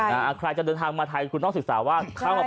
อะไรใครจะเดินทางมาที่ไทยคุณต้องศึกษาว่า